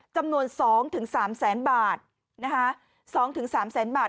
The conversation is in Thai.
จำนวน๒๓แสนบาทนะคะ๒๓แสนบาท